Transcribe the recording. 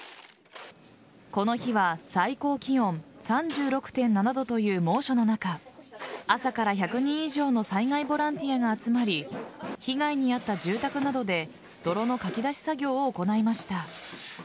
この日は最高気温３６．７度という猛暑の中朝から１００人以上の災害ボランティアが集まり被害に遭った住宅などで泥のかき出し作業を行いました。